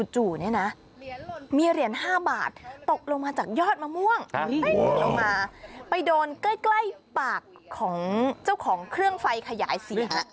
เนี่ยนะมีเหรียญ๕บาทตกลงมาจากยอดมะม่วงลงมาไปโดนใกล้ปากของเจ้าของเครื่องไฟขยายเสียง